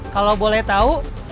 kalau boleh tahu